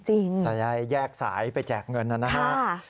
แต่ยังไงแยกสายไปแจกเงินนั่นนะฮะ